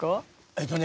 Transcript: えっとね